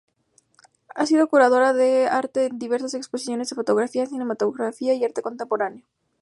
Ha sido curadora de arte en diversas exposiciones de fotografía, cinematografía y arte contemporáneo.